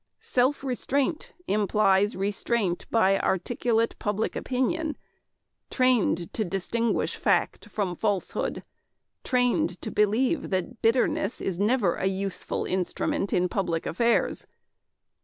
... "Self restraint implies restraint by articulate public opinion, trained to distinguish fact from falsehood, trained to believe that bitterness is never a useful instrument in public affairs.